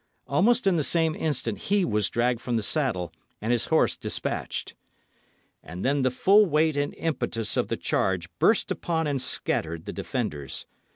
Almost in the same instant he was dragged from the saddle and his horse despatched. And then the full weight and impetus of the charge burst upon and scattered the defenders.